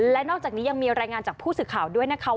และนอกจากนี้ยังมีรายงานจากผู้สื่อข่าวด้วยนะคะ